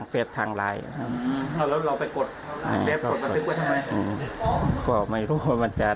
มาทางเฟซเหรอครับอศัลโหลโอเค